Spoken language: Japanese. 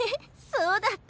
そうだった。